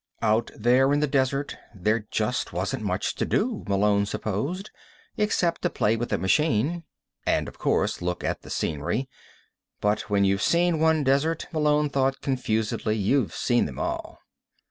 Out there in the desert, there just wasn't much to do, Malone supposed, except to play with the machine. And, of course, look at the scenery. But when you've seen one desert, Malone thought confusedly, you've seen them all.